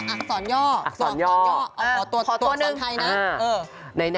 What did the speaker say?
อักษรย่ออักษรย่ออักษรย่อตัวสอนไทยนะ